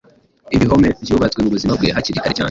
ibihome byubatswe mu buzima bwe hakiri kare cyane.